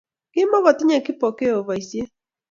Kimukotinyei Kipokeo boisiet